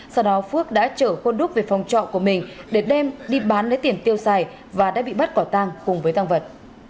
sau đó phước đã chở khuôn đúc về phòng trọ của mình để đem đi bán lấy tiền tiêu xài và đã bị bắt quả tang cùng với tăng vật